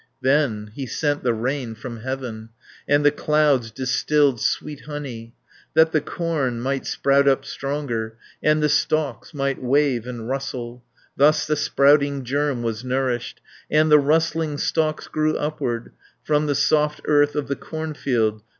340 Then he sent the rain from heaven, And the clouds distilled sweet honey, That the corn might sprout up stronger, And the stalks might wave and rustle. Thus the sprouting germ was nourished, And the rustling stalks grew upward, From the soft earth of the cornfield.